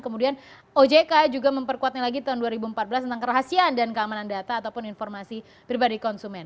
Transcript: kemudian ojk juga memperkuatnya lagi tahun dua ribu empat belas tentang kerahasiaan dan keamanan data ataupun informasi pribadi konsumen